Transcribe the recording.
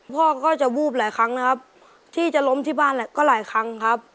พ่อก็จะวูบหลายครั้งนะครับ